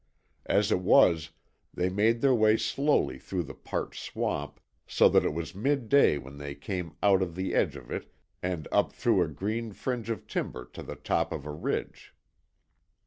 As it was they made their way slowly through the parched swamp, so that it was midday when they came out of the edge of it and up through a green fringe of timber to the top of a ridge.